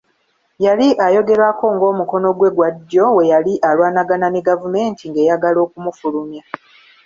Yali ayogerwako ng’omukono gwe gwa ddyo we yali alwanagana ne gavumenti ng’eyagala okumufulumya.